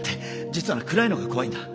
実はな暗いのが怖いんだ。